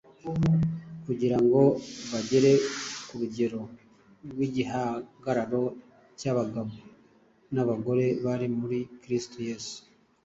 kugira ngo bagere ku rugero rw’igihagararo cy’abagabo n’abagore bari muri Kristo Yesu